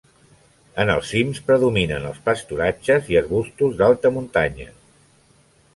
En els cims predominen els pasturatges i arbustos d'alta muntanya.